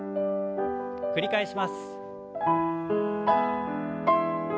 繰り返します。